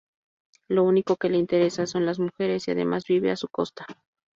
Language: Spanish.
Lo único que le interesa son las mujeres y, además, vive a su costa.